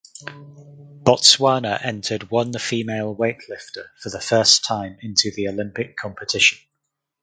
Botswana entered one female weightlifter for the first time into the Olympic competition.